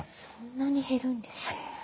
そんなに減るんですね。